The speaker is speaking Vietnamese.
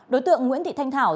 đối tượng nguyễn thị thanh thảo